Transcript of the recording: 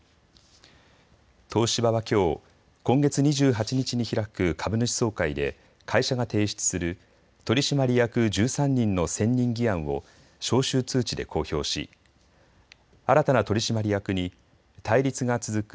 東芝はきょう今月２８日に開く株主総会で会社が提出する取締役１３人の選任議案を招集通知で公表し新たな取締役に対立が続く